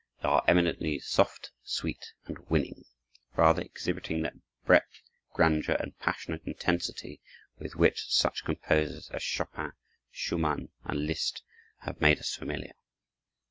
They are eminently soft, sweet, and winning, rarely exhibiting that breadth, grandeur, and passionate intensity with which such composers as Chopin, Schumann, and Liszt have made us familiar.